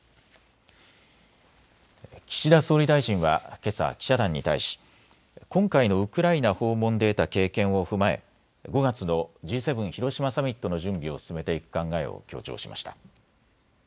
岸田総理大臣はけさ、記者団に対し今回のウクライナ訪問で得た経験を踏まえ５月のＧ７広島サミットの準備を進めていく考えを強調しました。